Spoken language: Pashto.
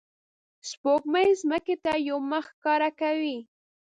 سپوږمۍ ځمکې ته یوه مخ ښکاره کوي